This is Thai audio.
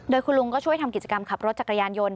โดยคุณลุงก็ช่วยทำกิจกรรมขับรถจักรยานยนต์